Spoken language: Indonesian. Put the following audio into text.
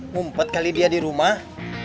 mau empat kali dia di rumah